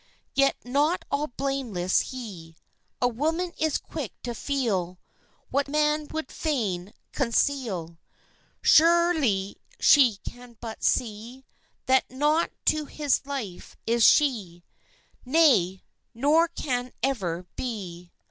Yet not all blameless he, A woman is quick to feel What man would fain conceal; Surely she can but see That naught to his life is she, Nay nor can ever be!